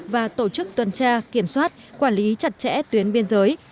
và tổ chức tuần tra kiểm soát quản lý chặt chẽ tuyến biên giới